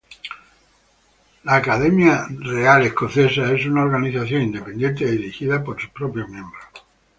La "Royal Scottish Academy" es una organización independiente dirigida por sus propios miembros.